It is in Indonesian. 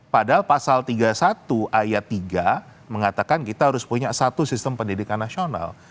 padahal pasal tiga puluh satu ayat tiga mengatakan kita harus punya satu sistem pendidikan nasional